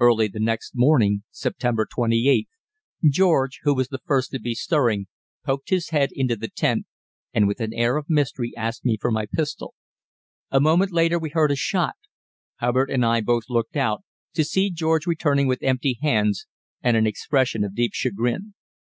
Early the next morning (September 28th) George, who was the first to be stirring, poked his head into the tent, and with an air of mystery asked me for my pistol. A moment later we heard a shot. Hubbard and I both looked out, to see George returning with empty hands and an expression of deep chagrin.